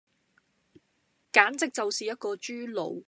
簡直就是一個豬腦